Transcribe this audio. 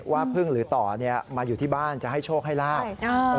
ว่าพึ่งหรือต่อมาอยู่ที่บ้านจะให้โชคให้ลาบ